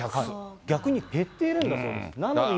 逆に減っているんだそうです。